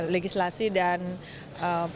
legislasi dan bahan bahan